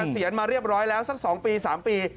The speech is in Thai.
เสียนมาเรียบร้อยแล้วสัก๒ปี๓ปี